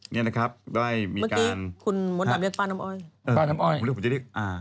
แม่งครับได้มีการ